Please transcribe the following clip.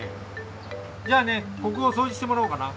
じゃあねここをそうじしてもらおうかな！